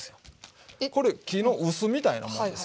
これ木の臼みたいなもんですよ。